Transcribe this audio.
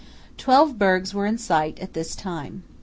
Twelve bergs were in sight at this time.